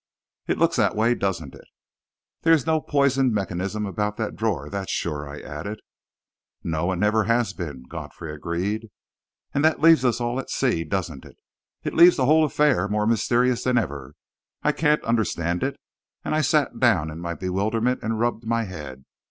"It looks that way, doesn't it?" "There is no poisoned mechanism about that drawer that's sure," I added. "No, and never has been," Godfrey agreed. "And that leaves us all at sea, doesn't it? It leaves the whole affair more mysterious than ever. I can't understand it," and I sat down in my bewilderment and rubbed my head.